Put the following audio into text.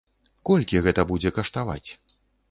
Колькі гэта будзе каштаваць?